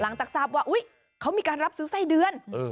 หลังจากทราบว่าอุ๊ยเขามีการรับซื้อไส้เดือน